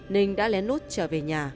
nình đã lén nút trở về nhà